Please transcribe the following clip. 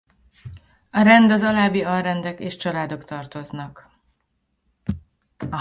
A rend az alábbi alrendek és családok tartoznak.